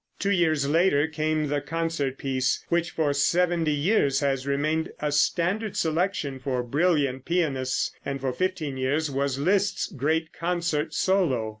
Two years later came the concert piece, which for seventy years has remained a standard selection for brilliant pianists, and for fifteen years was Liszt's great concert solo.